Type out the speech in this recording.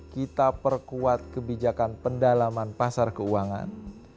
kita perkuat kebijakan pendalaman pasar keuangan